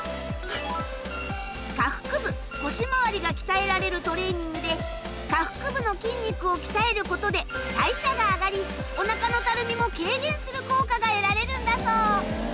が鍛えられるトレーニングで下腹部の筋肉を鍛えることで代謝が上がりお腹のたるみも軽減する効果が得られるんだそう。